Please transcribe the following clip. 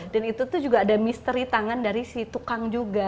dan itu juga ada misteri tangan dari si tukang juga